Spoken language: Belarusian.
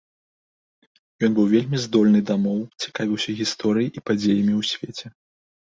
Ён быў вельмі здольны да моў, цікавіўся гісторыяй і падзеямі ў свеце.